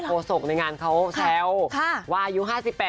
โกศกในงานเขาแชลวายุ๕๘๕๙